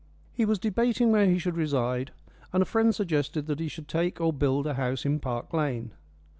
He was debating where he should reside, and a friend suggested that he should take or build a house in Park Lane.